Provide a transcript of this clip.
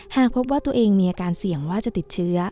หากพบว่าตัวเองมีอาการเสี่ยงว่าจะติดเชื้อ